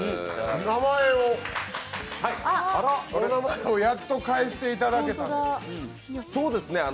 名前を、やっと返していただいたんですね。